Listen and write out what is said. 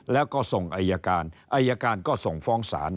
แล้วก็ส่งอายการอายการก็ส่งฟ้องศาล